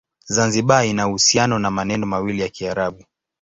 Zanzibar ina uhusiano na maneno mawili ya Kiarabu.